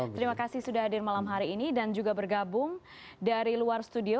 terima kasih sudah hadir malam hari ini dan juga bergabung dari luar studio